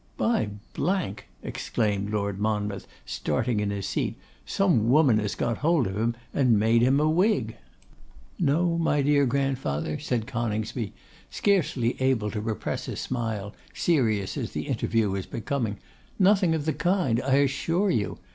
'By !' exclaimed Lord Monmouth, starting in his seat, 'some woman has got hold of him, and made him a Whig!' 'No, my dear grandfather,' said Coningsby, scarcely able to repress a smile, serious as the interview was becoming, 'nothing of the kind, I assure you.